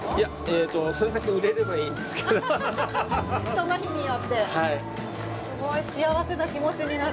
その日によって。